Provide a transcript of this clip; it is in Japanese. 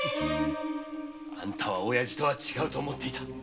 あんたは親父とは違うと思っていた。